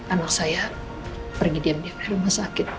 anak saya pergi diam diam ke rumah sakit